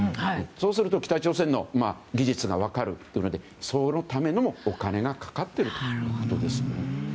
そうすると北朝鮮の技術が分かるというのでそのためのお金がかかっているということですね。